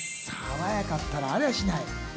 爽やかったらありゃしない。